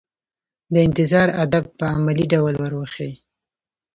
د انتظار آداب په عملي ډول ور وښيي.